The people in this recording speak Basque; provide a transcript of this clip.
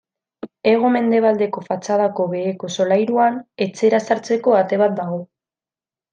Hego-mendebaldeko fatxadako beheko solairuan, etxera sartzeko ate bat dago.